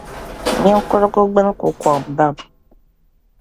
Ninkurugu gbini ku kɔŋ bam.